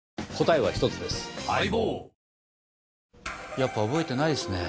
やっぱり覚えてないですね。